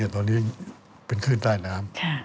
ตอนนี้เป็นขึ้นใต้น้ำ